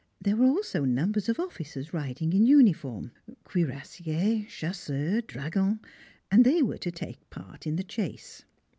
There were also numbers of officers riding in uniform cuirassiers, chasseurs, dragons and they were to take part in the chase.